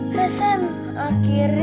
sekarang kita bakal cobain nasi